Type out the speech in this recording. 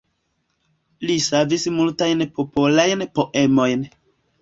Li savis multajn popolajn poemojn.